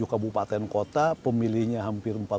dua puluh tujuh kabupaten kota pemilihnya hampir empat puluh